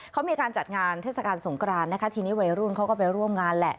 เขามีการจัดงานเทศกาลสงกรานนะคะทีนี้วัยรุ่นเขาก็ไปร่วมงานแหละ